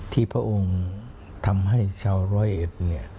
ที่พระองค์ทำให้ชาวร้อยเอ็ด